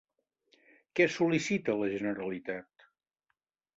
Què sol·licita la Generalitat?